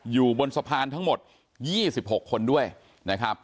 อยู่บนสะพานทั้งหมด๒๖คนด้วยนะครับ